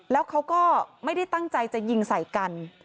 แล้วเขาก็ไม่ได้ตั้งใจจะยิงใส่กัน